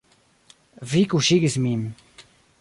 Vi kuŝigis min.